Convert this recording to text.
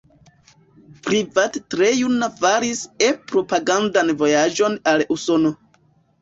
Privat tre juna faris E-propagandan vojaĝon al Usono.